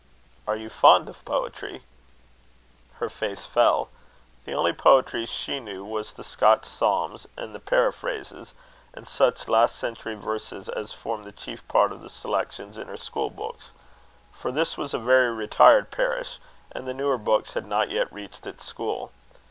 "Are you fond of poetry?" Her face fell. The only poetry she knew was the Scotch Psalms and Paraphrases, and such last century verses as formed the chief part of the selections in her school books; for this was a very retired parish, and the newer books had not yet reached its school.